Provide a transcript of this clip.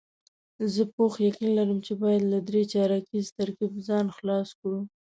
زه پوخ یقین لرم چې باید له درې چارکیز ترکیب ځان خلاص کړو.